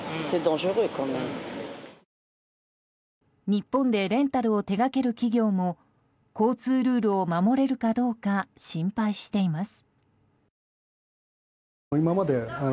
日本でレンタルを手掛ける企業も交通ルールを守れるかどうか心配しています。